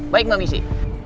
baik mbak misi